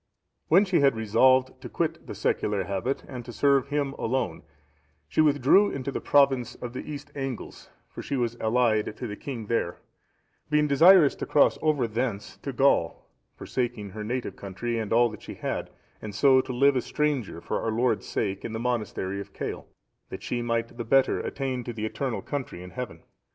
When she had resolved to quit the secular habit, and to serve Him alone, she withdrew into the province of the East Angles, for she was allied to the king there;(685) being desirous to cross over thence into Gaul, forsaking her native country and all that she had, and so to live a stranger for our Lord's sake in the monastery of Cale,(686) that she might the better attain to the eternal country in heaven.